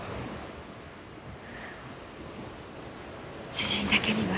主人だけには。